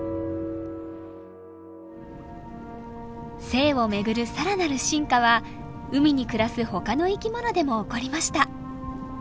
性を巡る更なる進化は海に暮らすほかの生きものでも起こりました。